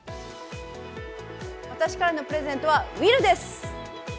私からのプレゼントは、ウィル？